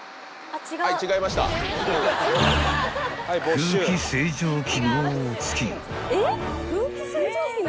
［空気清浄機能付き］